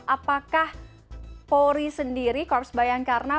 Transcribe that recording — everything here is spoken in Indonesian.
apakah polri sendiri korps bayangkara